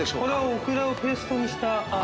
オクラをペーストにした。